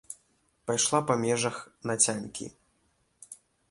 Пайшла па межах нацянькі.